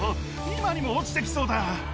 今にも落ちて来そうだ。